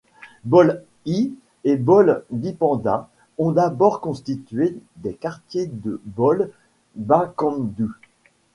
Bole I et Bole Dipenda ont d'abord constitué des quartiers de Bole Bakundu.